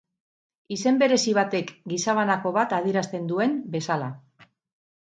Izen berezi batek gizabanako bat adierazten duen bezala.